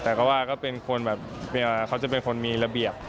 แต่ก็ว่าก็เป็นคนแบบเขาจะเป็นคนมีระเบียบ